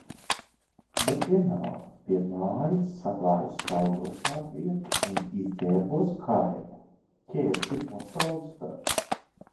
Bet vienalga pie mājas saklāju sauļošanās vietu un izģērbos kaila, ķēru pirmos saules starus.